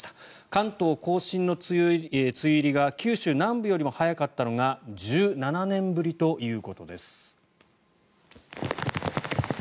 関東・甲信の梅雨入りが九州南部より早かったのは１７年ぶりということです。